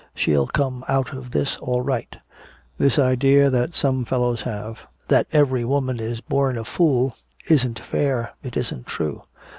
She'll come out of this all right. This idea some fellows have, that every woman is born a fool, isn't fair, it isn't true.